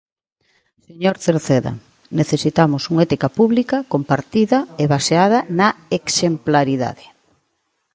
Señor Cerceda, necesitamos unha ética pública compartida e baseada na exemplaridade.